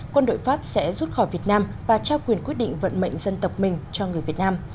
quân đội pháp sẽ rút khỏi việt nam và trao quyền quyết định vận mệnh dân tộc mình cho người việt nam